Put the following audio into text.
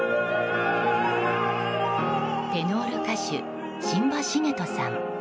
テノール歌手・榛葉樹人さん。